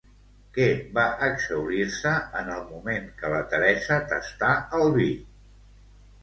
Què va exhaurir-se en el moment que la Teresa tastà el vi?